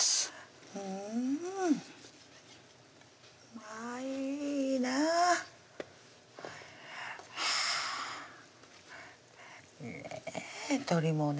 うんあいいな鶏もね